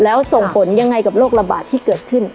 แล้วส่งผลยังไงกับโรคระบาดที่เกิดขึ้น